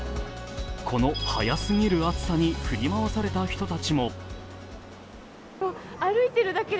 この早すぎる暑さに振り回された人たちも。